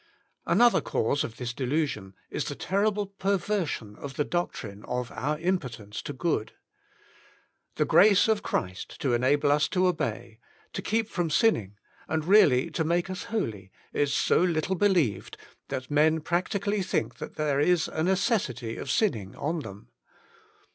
Another cause of this delusion is the terrible perversion of the doctrine of our impotence to good. The grace of Christ to enable us to obey, to keep from sinning and really to make us holy, is so little believed, that men practically think that there is a necessity of siiming on them.